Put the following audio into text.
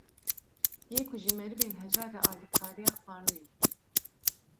yê ku ji merivên hejar re alîkariya xwarinê dikin